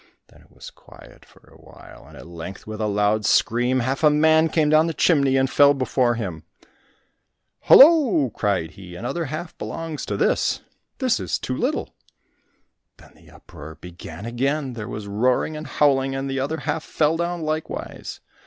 Then it was quiet for awhile, and at length with a loud scream, half a man came down the chimney and fell before him. "Hollo!" cried he, "another half belongs to this. This is too little!" Then the uproar began again, there was a roaring and howling, and the other half fell down likewise.